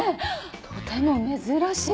とても珍しい。